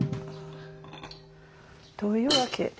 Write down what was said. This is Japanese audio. どういう訳？